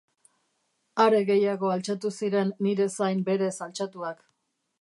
Are gehiago altxatu ziren nire zain berez altxatuak.